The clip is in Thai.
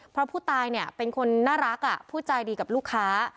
เพราะผู้ตายเนี่ยเป็นคนน่ารักพูดจาดีกับลูกค้า